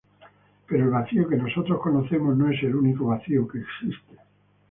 Pero el vacío que nosotros conocemos no es el único vacío que existe.